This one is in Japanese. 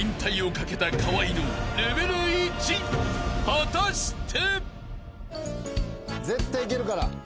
［果たして］